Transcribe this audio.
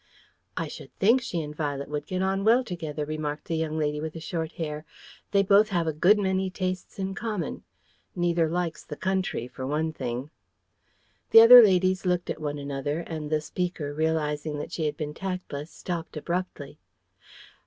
"I should think she and Violet would get on well together," remarked the young lady with the short hair. "They both have a good many tastes in common. Neither likes the country, for one thing." The other ladies looked at one another, and the speaker, realizing that she had been tactless, stopped abruptly.